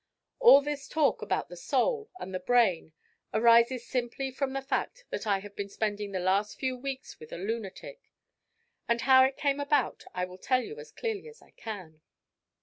All this talk about the soul and the brain arises simply from the fact that I have been spending the last few weeks with a lunatic. And how it came about I will tell you as clearly as I can.